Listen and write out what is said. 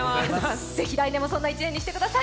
是非、来年もそんな１年にしてください。